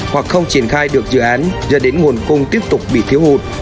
hoặc không triển khai được dự án dẫn đến nguồn cung tiếp tục bị thiếu hụt